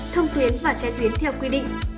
thông tuyến và che tuyến theo quy định